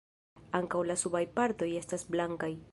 Ankaŭ la subaj partoj estas blankaj.